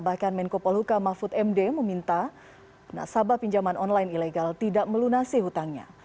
bahkan menko polhuka mahfud md meminta nasabah pinjaman online ilegal tidak melunasi hutangnya